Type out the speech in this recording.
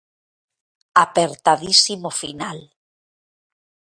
Apertadísimo final.